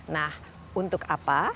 nah untuk apa